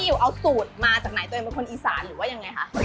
อยู่เอาสูตรมาจากไหนตัวเองเป็นคนอีสานหรือว่ายังไงคะ